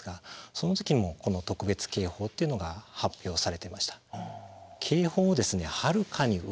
その時もこの特別警報っていうのが発表されてました。